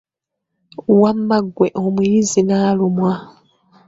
Wamma ggwe omuyizi n'alumwa!